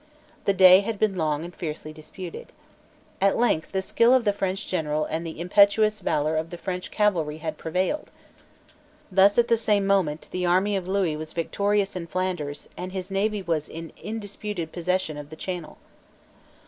The day had been long and fiercely disputed. At length the skill of the French general and the impetuous valour of the French cavalry had prevailed, Thus at the same moment the army of Lewis was victorious in Flanders, and his navy was in undisputed possession of the Channel.